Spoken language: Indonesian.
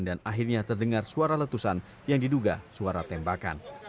dan akhirnya terdengar suara letusan yang diduga suara tembakan